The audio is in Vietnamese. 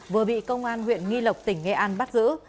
vừa bị công an huyện nghi lộc tỉnh nghệ an bắt giữ